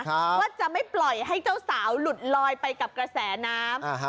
ว่าจะไม่ปล่อยให้เจ้าสาวหลุดลอยไปกับกระแสน้ำอ่าฮะ